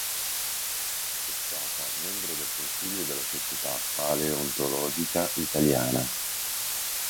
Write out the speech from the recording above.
È stata membro del Consiglio della Società Paleontologica Italiana.